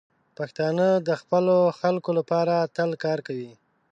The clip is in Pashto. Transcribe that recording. پښتانه د خپلو خلکو لپاره تل کار کوي.